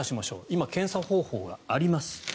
今、検査方法があります。